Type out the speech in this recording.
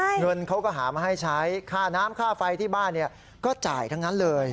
เงินเขาก็หามาให้ใช้ค่าน้ำค่าไฟที่บ้านเนี่ยก็จ่ายทั้งนั้นเลย